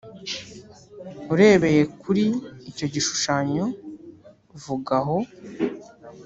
B) Urebeye kuri icyo gishushanyo vuga aho